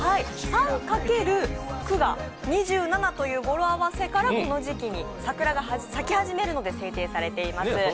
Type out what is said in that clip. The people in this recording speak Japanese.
「サンかけるクが２７」という語呂合わせからこの時期に桜が咲き始めるので制定されています。